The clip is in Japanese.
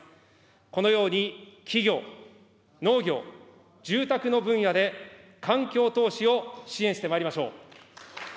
このように企業、農業、住宅の分野で、環境投資を支援してまいりましょう。